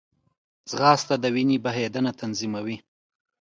ځغاسته د وینې بهېدنه تنظیموي